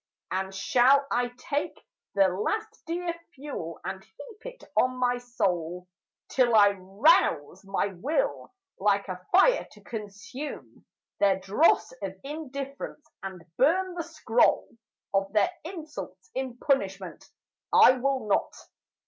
And shall I take The last dear fuel and heap it on my soul Till I rouse my will like a fire to consume Their dross of indifference, and burn the scroll Of their insults in punishment? I will not!